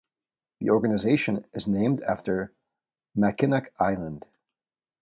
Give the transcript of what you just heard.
The organization is named after Mackinac Island.